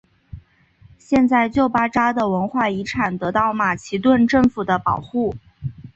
现在旧巴扎的文化遗产得到马其顿政府的保护。